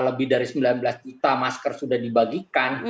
lebih dari sembilan belas juta masker sudah dibagikan